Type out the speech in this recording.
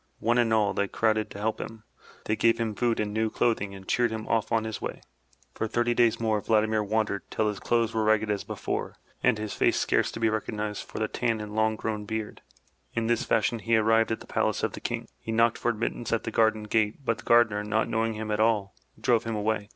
One and all, they crowded to help him. They gave him food and new clothing and cheeredhim off on his way. For thirty days more^ Vladimir wandered, till his clothes were ragged as before and his face scarce to be recognized for the tan and long grown beard. In this fashion he arrived at the palace' of the King. He knocked for admittance at the garden gate, but the gardener, not knowing him at all, drove him away.